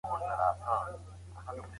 تعلیم د پرمختګ لپاره مستحکم بنسټ دی.